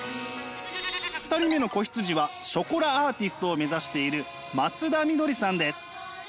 ２人目の子羊はショコラアーティストを目指している松田みどりさんです。